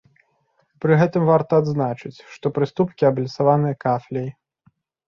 Пры гэтым варта адзначыць, што прыступкі абліцаваныя кафляй.